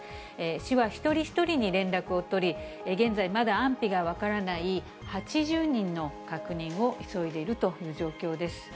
市は一人一人に連絡を取り、現在、まだ安否が分からない８０人の確認を急いでいるという状況です。